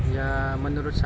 ya menurut saya